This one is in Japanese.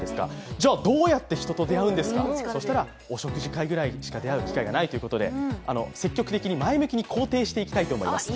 じゃ、どうやって人と出会うんですか、じゃ、お食事会ぐらいしか出会う機会がないということで積極的に前向きに肯定していきたいと思います。